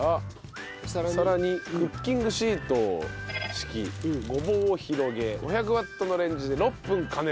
皿にクッキングシートを敷きごぼうを広げ５００ワットのレンジで６分加熱。